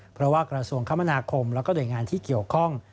เพราะว่ากระทรวงคมนาคมแล้วก็หน่วยงานที่เกี่ยวข้อง